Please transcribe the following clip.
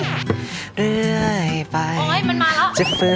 เจ็บฟื้นเจ็บฟื้น